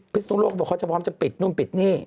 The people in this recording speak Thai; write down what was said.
พิสุทธิ์โลกเขาพร้อมจะปิดนู่นปิดนี่